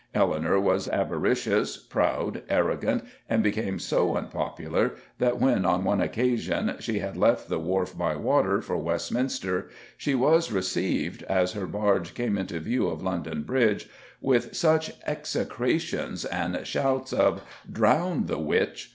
Eleanor was avaricious, proud, arrogant, and became so unpopular that, when on one occasion she had left the Wharf by water, for Westminster, she was received, as her barge came into view of London Bridge, with such execrations and shouts of "Drown the witch!"